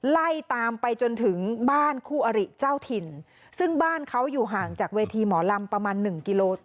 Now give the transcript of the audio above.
ไล่ตามไปจนถึงบ้านคู่อริเจ้าถิ่นซึ่งบ้านเขาอยู่ห่างจากเวทีหมอลำประมาณหนึ่งกิโล